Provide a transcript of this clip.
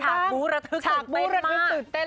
บู้ระทึกปากบู้ระทึกตื่นเต้น